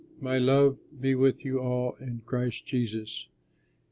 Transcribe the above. My love be with you all in Christ Jesus."